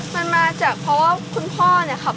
มันมาจากเพราะว่าคุณพ่อเนี่ยค่ะ